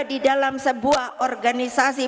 di dalam sebuah organisasi